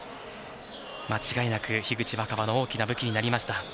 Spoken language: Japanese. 間違いなく樋口新葉の大きな武器になりました。